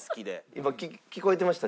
今聞こえてました？